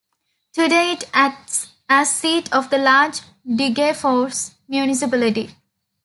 Today it acts as seat of the larger Degerfors Municipality.